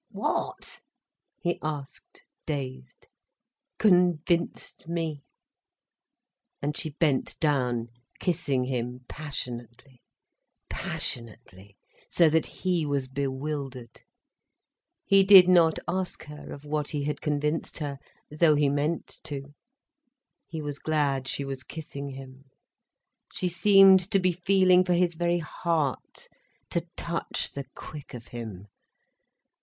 "What?" he asked, dazed. "Convinced me." And she bent down, kissing him passionately, passionately, so that he was bewildered. He did not ask her of what he had convinced her, though he meant to. He was glad she was kissing him. She seemed to be feeling for his very heart to touch the quick of him.